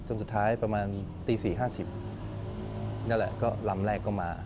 สุดท้ายประมาณตี๔๕๐นั่นแหละก็ลำแรกก็มา